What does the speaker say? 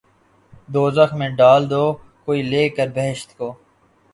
دوزخ میں ڈال دو‘ کوئی لے کر بہشت کو